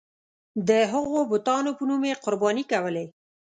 د هغو بتانو په نوم یې قرباني کولې.